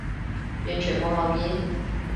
完全冇留意